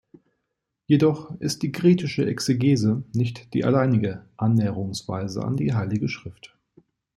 Jedoch ist die kritische Exegese nicht die alleinige Annäherungsweise an die heilige Schrift.